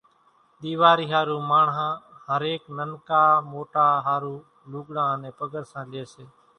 ۮيواري ۿارُو ماڻۿان ھر ايڪ ننڪا موٽا ۿارُو لوڳڙان انين پڳرسان لئي سي